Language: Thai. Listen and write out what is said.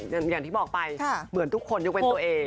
อย่างที่บอกไปเหมือนทุกคนยกเว้นตัวเอง